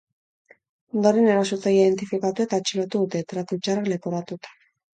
Ondoren, erasotzailea identifikatu eta atxilotu dute, tratu txarrak leporatuta.